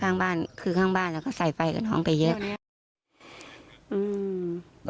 ข้างบ้านคือข้างบ้านอ่ะเขาใส่ไฟกับน้องไปเยอะอืม